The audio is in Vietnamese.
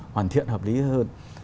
hoàn thiện hợp lý hơn